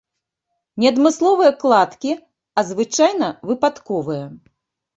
Не адмысловыя кладкі, а, звычайна, выпадковыя.